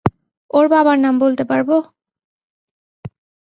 ওর বাবার নাম বলতে পারবো?